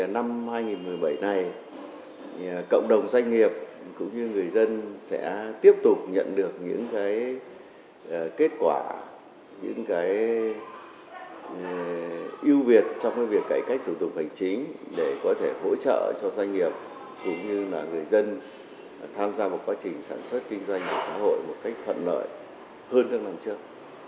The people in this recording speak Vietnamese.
năm trước năm hai nghìn một mươi bảy này cộng đồng doanh nghiệp cũng như người dân sẽ tiếp tục nhận được những kết quả những ưu việt trong việc cải cách thủ tục hành chính để có thể hỗ trợ cho doanh nghiệp cũng như người dân tham gia một quá trình sản xuất kinh doanh và xã hội một cách thuận lợi hơn các năm trước